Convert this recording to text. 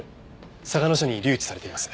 嵯峨野署に留置されています。